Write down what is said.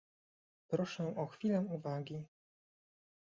Proszę o chwilę uwagi